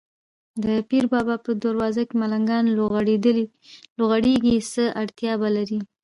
د پیر بابا په دروازه کې ملنګان لوغړېږي، څه اړتیا به لري.